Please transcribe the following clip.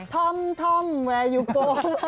ท่อมท่อมแวร์ยูโก้